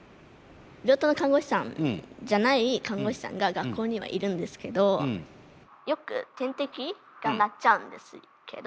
病棟の看護師さんじゃない看護師さんが学校にはいるんですけどよく点滴が鳴っちゃうんですけど。